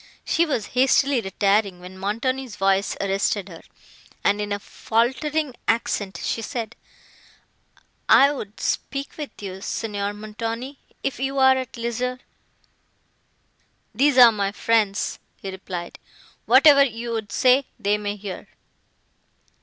She was hastily retiring, when Montoni's voice arrested her, and, in a faultering accent, she said,—"I would speak with you, Signor Montoni, if you are at leisure." "These are my friends," he replied, "whatever you would say, they may hear."